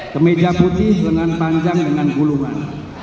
kemeja putih lengan panjang dengan gulungan